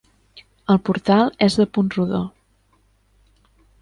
El portal és de punt rodó.